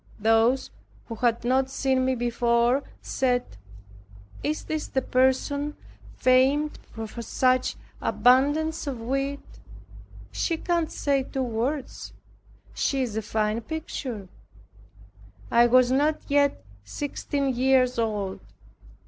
Those who had not seen me before said, "Is this the person famed for such abundance of wit? She can't say two words. She is a fine picture." I was not yet sixteen years old.